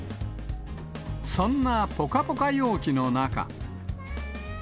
そんなぽかぽか陽気の中。